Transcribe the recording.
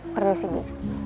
perlu sih bu